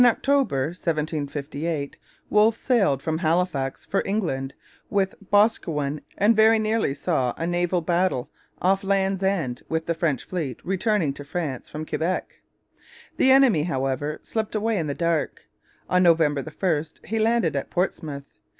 CHAPTER VI QUEBEC, 1759 In October 1758 Wolfe sailed from Halifax for England with Boscawen and very nearly saw a naval battle off Land's End with the French fleet returning to France from Quebec. The enemy, however, slipped away in the dark. On November 1 he landed at Portsmouth.